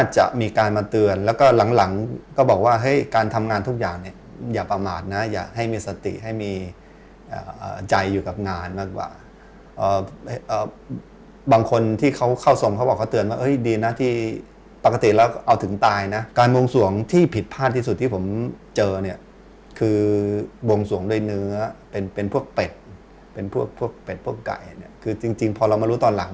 จะมีการมาเตือนแล้วก็หลังก็บอกว่าเฮ้ยการทำงานทุกอย่างเนี่ยอย่าประมาทนะอย่าให้มีสติให้มีใจอยู่กับงานมากกว่าบางคนที่เขาเข้าทรงเขาบอกเขาเตือนว่าดีนะที่ปกติแล้วเอาถึงตายนะการบวงสวงที่ผิดพลาดที่สุดที่ผมเจอเนี่ยคือบวงสวงด้วยเนื้อเป็นพวกเป็ดเป็นพวกเป็ดพวกไก่เนี่ยคือจริงพอเรามารู้ตอนหลัง